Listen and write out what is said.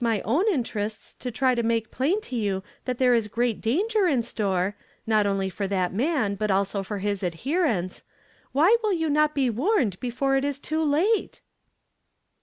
303 my own interests to try to make plain to you that there is great danger in store, not only for that man, but for his adherents, why will you not be warned before it is too late